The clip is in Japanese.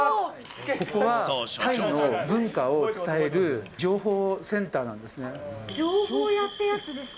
ここはタイの文化を伝える情情報屋ってやつですか？